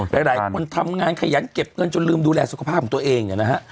หลายคนทำงานขยันเก็บเงินจนลืมดูแลสุขภาพของตัวเองเนี่ยนะฮะ